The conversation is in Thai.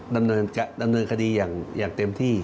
ดำเนินคดีอย่างเต็มที่